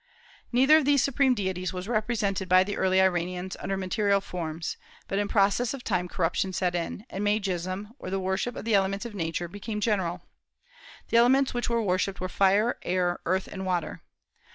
Neither of these supreme deities was represented by the early Iranians under material forms; but in process of time corruption set in, and Magism, or the worship of the elements of Nature, became general. The elements which were worshipped were fire, air, earth, and water.